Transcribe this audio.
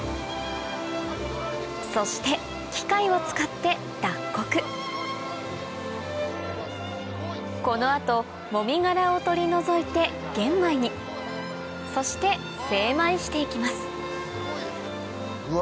そして機械を使って脱穀この後もみ殻を取り除いて玄米にそして精米して行きますうわ！